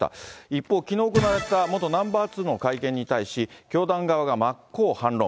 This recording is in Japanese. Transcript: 一方、きのう行われた元ナンバー２の会見に対し、教団側が真っ向反論。